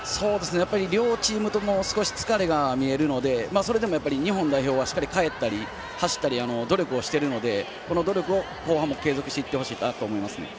両チームとも少し疲れが見えるのでそれでも日本代表はしっかり帰ったり、走ったり努力をしているので、この努力を後半も継続していってほしいなと思います。